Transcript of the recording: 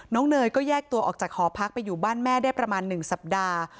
เนยก็แยกตัวออกจากหอพักไปอยู่บ้านแม่ได้ประมาณ๑สัปดาห์